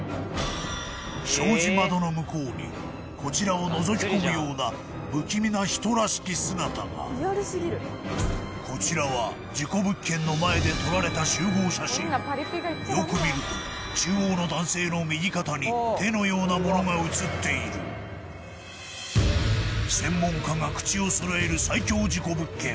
障子窓の向こうにこちらをのぞき込むような不気味な人らしき姿がこちらは事故物件の前で撮られた集合写真よく見ると中央の男性の右肩に手のようなものが写っている専門家が口を揃える最恐事故物件